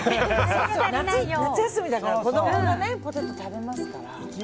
夏休みだから子供がポテト食べますから。